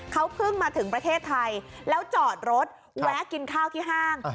เขาเพิ่งมาถึงประเทศไทยแล้วจอดรถแวะกินข้าวที่ห้าง